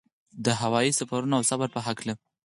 د هوايي سفرونو او صبر په هکله.